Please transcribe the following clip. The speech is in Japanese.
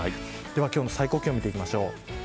では今日の最高気温見ていきましょう。